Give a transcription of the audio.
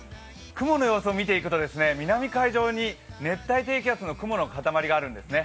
雲の様子を見ていくと、南海上に熱帯低気圧の雲の塊があるんですね。